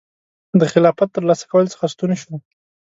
د خلافت ترلاسه کولو څخه ستون شو.